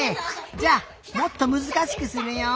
じゃあもっとむずかしくするよ。